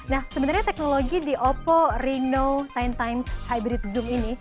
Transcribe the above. nah sebenarnya teknologi di oppo renow sepuluh hybrid zoom ini